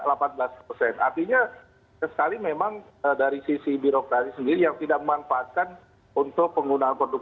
artinya sekali memang dari sisi birokrasi sendiri yang tidak memanfaatkan untuk penggunaan produk